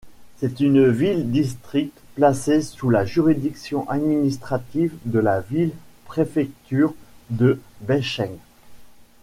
C'est une ville-district placée sous la juridiction administrative de la ville-préfecture de Baicheng.